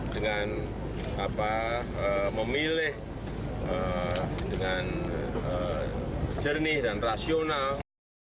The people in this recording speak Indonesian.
dengan memilih dengan jernih dan rasional